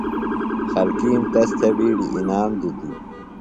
خلکِیم تس تھےۡ بِیڈیۡ انعام دِتیۡ۔